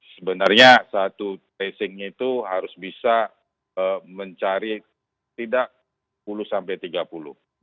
sebenarnya satu tracingnya itu harus bisa mencari tidak sepuluh sampai tiga puluh